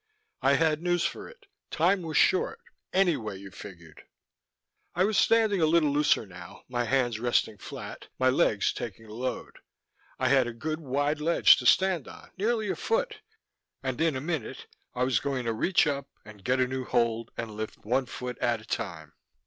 I had news for it: time was short, any way you figured. I was standing a little looser now, my hands resting flat, my legs taking the load. I had a good wide ledge to stand on: nearly a foot, and in a minute I was going to reach up and get a new hold and lift one foot at a time